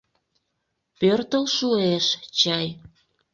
Пӧртыл шуэш чай.